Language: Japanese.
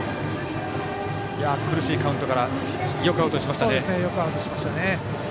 苦しいカウントからよくアウトにしました。